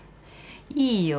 いいよ。